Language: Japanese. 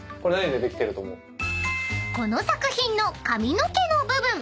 ［この作品の髪の毛の部分］